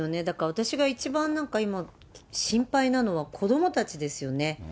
だから、私が一番今、心配なのは子どもたちですよね。